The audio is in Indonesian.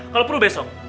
kalau perlu besok